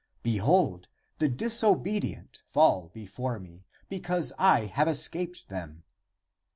> Behold, the disobedient fall before me, because I have escaped them.